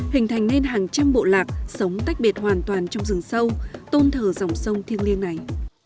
hình thành nên hàng trăm bộ lạc sống tách biệt hoàn toàn trong rừng sâu tôn thờ dòng sông thiêng liêng này